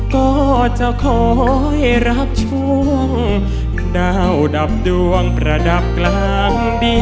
ก็จะคอยรับช่วงดาวดับดวงประดับกลางปี